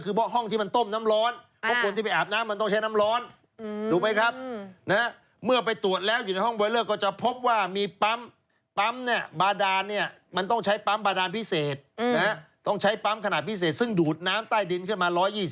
เขาไม่บุกแบบซุ่มตรวจแล้วเหรอคุณชุม